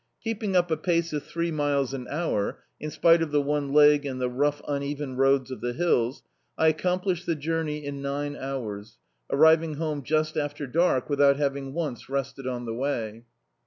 Keeping up a pace of three miles an hour, in spite of the one leg and the rou^ un even roads of the hills, I accomplished the joumey in nine hours, arriving home just after dark, without having once rested on the way.